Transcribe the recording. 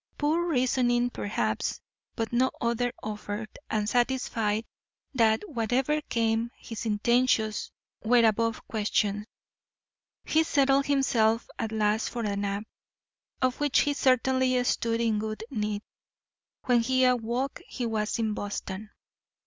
Poor reasoning, perhaps, but no other offered, and satisfied that whatever came his intentions were above question, he settled himself at last for a nap, of which he certainly stood in good need. When he awoke he was in Boston.